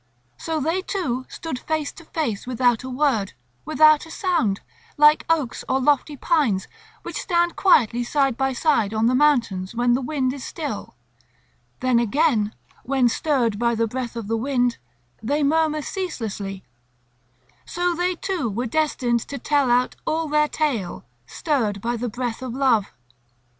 So they two stood face to face without a word, without a sound, like oaks or lofty pines, which stand quietly side by side on the mountains when the wind is still; then again, when stirred by the breath of the wind, they murmur ceaselessly; so they two were destined to tell out all their tale, stirred by the breath of Love.